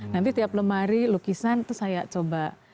nanti tiap lemari lukisan itu saya coba